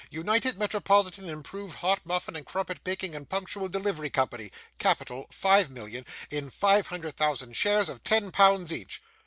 "United Metropolitan Improved Hot Muffin and Crumpet Baking and Punctual Delivery Company. Capital, five millions, in five hundred thousand shares of ten pounds each."